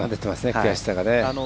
悔しさがね。